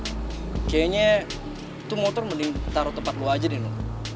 no kayaknya tuh motor mending taro tempat gue aja deh no